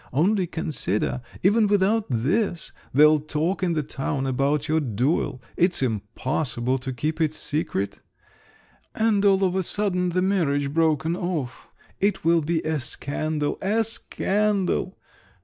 Only consider; even without this, they'll talk in the town about your duel … it's impossible to keep it secret. And all of a sudden, the marriage broken off! It will be a scandal, a scandal!